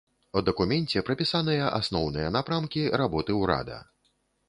У дакуменце прапісаныя асноўныя напрамкі работы ўрада.